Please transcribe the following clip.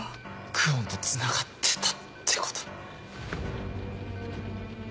久遠とつながってたってこと？